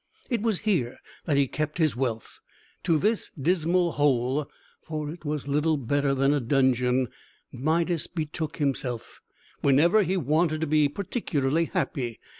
It was here that he kept his wealth. To this dismal hole for it was little better than a dungeon Midas betook himself, whenever he wanted to be particularly happy.